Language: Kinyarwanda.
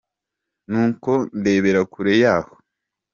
Nuko ndebera kure yaho